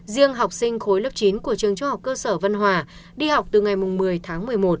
riêng học sinh khối lớp chín của trường trung học cơ sở vân hòa đi học từ ngày một mươi tháng một mươi một